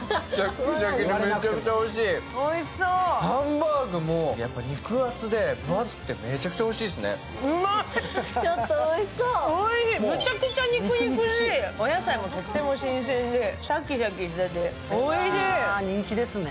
ハンバーグ、肉厚で、分厚くてめちゃくちゃおいしいですね。